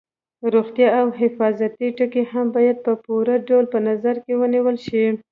روغتیا او حفاظتي ټکي هم باید په پوره ډول په نظر کې ونیول شي.